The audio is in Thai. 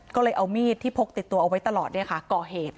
ก็เลยเอามีดที่พกติดตัวเอาไว้ตลอดก่อเหตุ